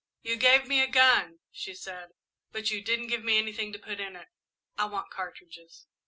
"You gave me a gun," she said, "but you didn't give me anything to put in it. I want cartridges."